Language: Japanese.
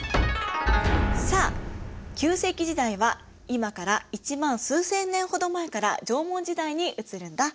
さあ旧石器時代は今から１万数千年ほど前から縄文時代に移るんだ。